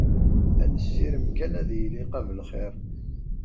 Ad nessirem kan ad yili qabel xir.